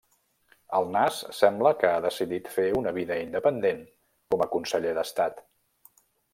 El nas sembla que ha decidit fer una vida independent com a conseller d'Estat.